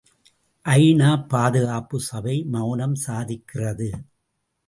ஐ.நா. பாதுகாப்பு சபை மெளனம் சாதிக்கிறது.